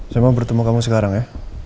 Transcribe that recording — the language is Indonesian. saya mau bertemu kamu sekarang ya